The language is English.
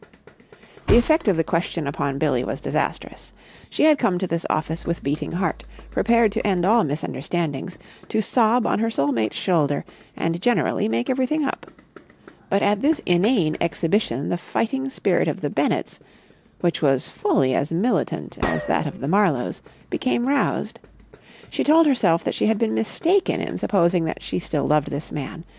The effect of the question upon Billie was disastrous. She had come to this office with beating heart, prepared to end all misunderstandings, to sob on her soul mate's shoulder and generally make everything up; but at this inane exhibition the fighting spirit of the Bennetts—which was fully as militant as that of the Marlowes—became roused. She told herself that she had been mistaken in supposing that she still loved this man.